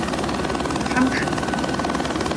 Тхьэм жиӏэ!